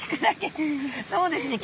そうですね